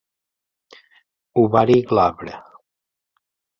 Ovari glabre.